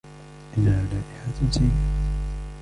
انها رائحة سيئة.